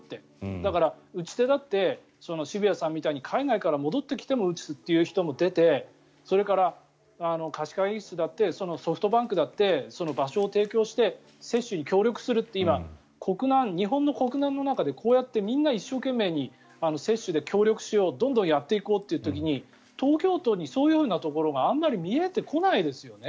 だから、打ち手だって渋谷さんみたいに海外から戻ってきても打つという人が出てそれから貸し会議室だってソフトバンクだって場所を提供して接種に協力するって今、日本の国難の中でこうやってみんな一生懸命に接種で協力しようどんどんやっていこうという時に東京都にそういうところがあまり見えてこないですよね。